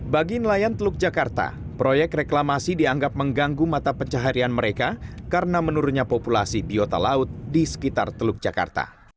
bagi nelayan teluk jakarta proyek reklamasi dianggap mengganggu mata pencaharian mereka karena menurunnya populasi biota laut di sekitar teluk jakarta